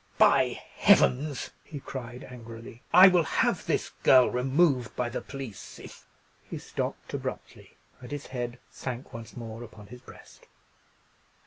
"By heavens!" he cried, angrily, "I will have this girl removed by the police, if——" He stopped abruptly, and his head sank once more upon his breast.